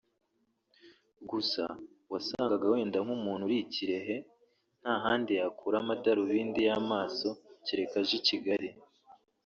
Gusa wasangaga wenda nk’umuntu uri i Kirehe nta handi yakura amadarubindi y’amaso keretse aje I Kigali